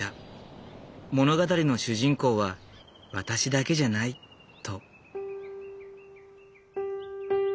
「物語の主人公は私だけじゃない」と。